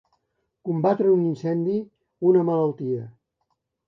Combatre un incendi, una malaltia.